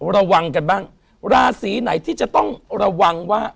ระวังกันบ้างราศีไหนที่จะต้องระวังว่า